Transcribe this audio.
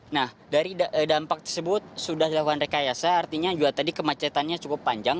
nah dari dampak tersebut sudah dilakukan rekayasa artinya juga tadi kemacetannya cukup panjang